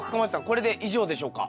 これで以上でしょうか？